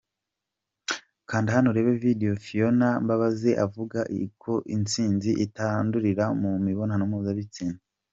Kanda Hano Urebe Video ya Phionah Mbabazi avuga ko itsinzi itandurira mu mibonano mpuzabitsina.